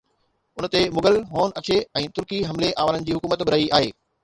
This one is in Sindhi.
ان تي مغل، هون اڇي ۽ ترڪي حملي آورن جي حڪومت به رهي آهي